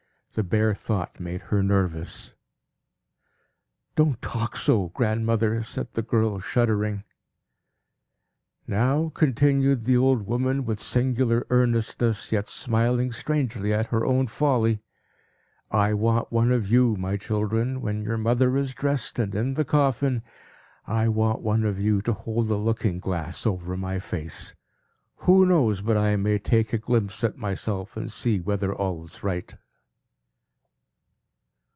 The bare thought made her nervous. "Don't talk so, grandmother!" said the girl, shuddering. "Now," continued the old woman, with singular earnestness, yet smiling strangely at her own folly, "I want one of you, my children, when your mother is dressed, and in the coffin, I want one of you to hold a looking glass over my face. Who knows but I may take a glimpse at myself, and see whether all's right?"